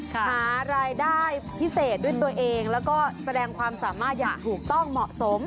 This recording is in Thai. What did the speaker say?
หารายได้พิเศษด้วยตัวเองแล้วก็แสดงความสามารถอย่างถูกต้องเหมาะสม